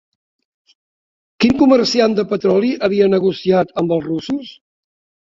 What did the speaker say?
Quin comerciant de petroli havia negociat amb els russos?